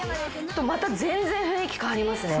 また全然雰囲気変わりますね。